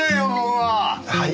はい？